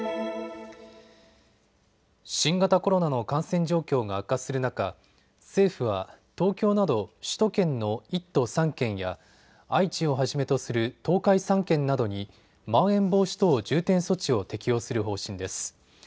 新型コロナの感染状況が悪化する中、政府は東京など首都圏の１都３県や愛知をはじめとする東海３県などにまん延防止等重点措置を適用する方針です。